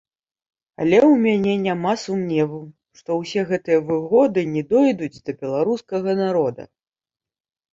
Але ў мяне няма сумневу, што ўсе гэтыя выгоды не дойдуць да беларускага народа.